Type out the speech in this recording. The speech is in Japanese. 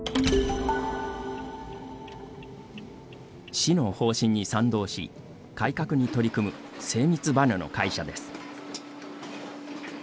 市の方針に賛同し改革に取り組む精密ばねの会社です。